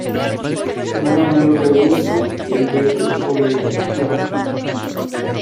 Hermano menor de Augusto y Alberto Orrego Luco.